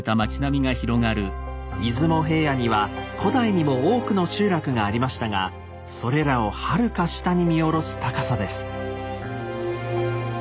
出雲平野には古代にも多くの集落がありましたがそれらをはるか下に見下ろす高さです。